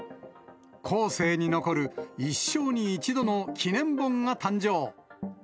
後世に残る一生に一度の記念本が誕生。